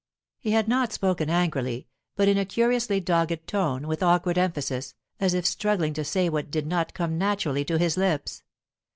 He had not spoken angrily, but in a curiously dogged tone, with awkward emphasis, as if struggling to say what did not come naturally to his lips.